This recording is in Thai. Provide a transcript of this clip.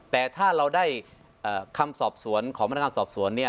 แต่ถ้าเราได้ขมสอบส่วนของมนุษย์กรรมสอบส่วนนี้